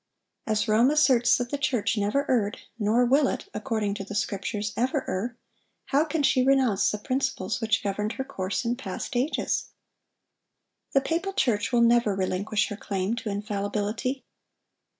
As Rome asserts that the church "never erred; nor will it, according to the Scriptures, ever err,"(1000) how can she renounce the principles which governed her course in past ages? The papal church will never relinquish her claim to infallibility.